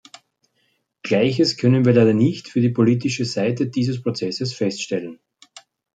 Gleiches können wir leider nicht für die politische Seite dieses Prozesses feststellen.